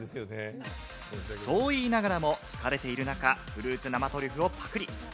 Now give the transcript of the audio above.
そう言いながらも、疲れている中、フルーツ生トリュフをパクリ。